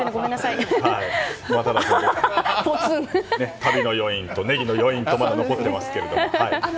旅の余韻と胃の余韻と残っていますけども。